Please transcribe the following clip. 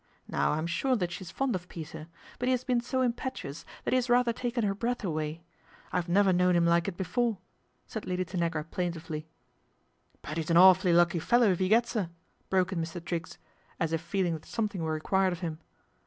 Now I'm sure that she is fond of Peter ; but he has been so impetuous that he has rather taken her breath away. I've never known him like it before/' said Lady Tanagra plaintively. " But 'e's an awfully lucky fellow if 'e gets 'er," broke in Mr. Triggs, as if feeling that some thing were required of him.